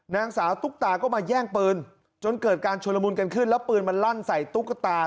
นางสาวตุ๊กตาก็มาแย่งปืนจนเกิดการชุลมุนกันขึ้นแล้วปืนมันลั่นใส่ตุ๊กตา